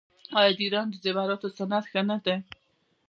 آیا د ایران د زیوراتو صنعت ښه نه دی؟